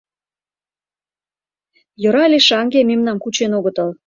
Йӧра але шаҥге мемнам кучен огытыл...